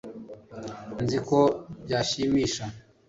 Nzi ko byanshimisha